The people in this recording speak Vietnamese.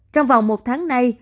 trong vòng một tháng nay